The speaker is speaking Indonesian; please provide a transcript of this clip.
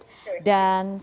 selamat sore mbak mia